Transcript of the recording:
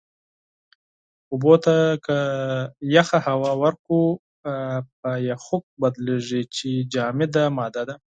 اوبو ته که يخه هوا ورکړو، په يَخٔک بدلېږي چې جامده ماده ده.